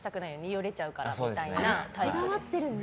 よれちゃうからみたいなタイプです。